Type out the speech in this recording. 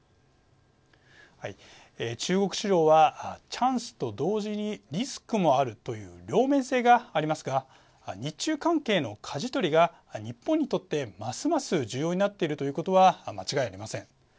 中国市場は、チャンスと同時にリスクもあるという両面性がありますが日中関係のかじ取りが日本にとってますます重要になっているということは間違いありません。